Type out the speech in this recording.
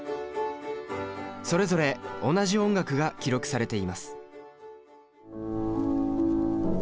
それぞれ同じ音楽が記録されています